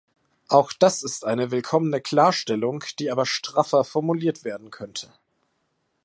Auch das ist eine willkommene Klarstellung, die aber straffer formuliert werden könnte.